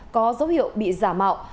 có dấu hiệu bị giả mạo